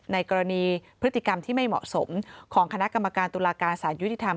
ในกรณีพฤติกรรมที่ไม่เหมาะสมของคณะกรรมการตุลาการสารยุติธรรม